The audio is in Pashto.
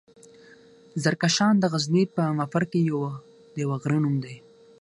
زرکشان دغزني پهمفر کې د يوۀ غرۀ نوم دی.